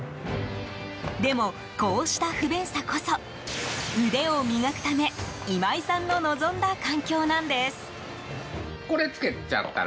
でも、こうした不便さこそ腕を磨くため今井さんの望んだ環境なんです。